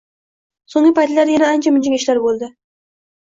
So`nggi paytlarda yana ancha-mugncha ishlar bo`ldi